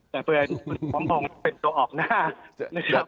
แต่เผื่อคุณพ้อมพงษ์เป็นตัวออกหน้า